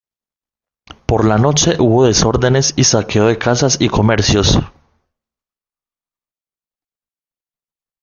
Por la noche hubo desórdenes y saqueo de casas y comercios.